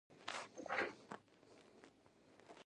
موږ په فرانسه او لندن کې هم پاتې شوي یو